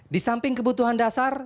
di samping kebutuhan dasar